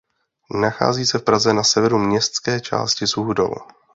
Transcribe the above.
Nachází se v Praze na severu městské části Suchdol.